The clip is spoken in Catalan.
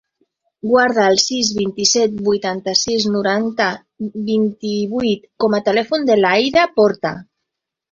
Guarda el sis, vint-i-set, vuitanta-sis, noranta, vint-i-vuit com a telèfon de l'Aïda Porta.